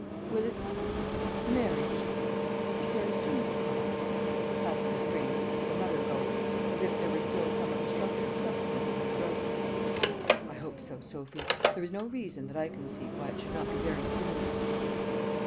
"Will it the marriage be very soon, papa?" asked Miss Granger, with another gulp, as if there were still some obstructive substance in her throat. "I hope so, Sophy. There is no reason, that I can see, why it should not be very soon."